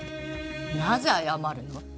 なぜ謝るの？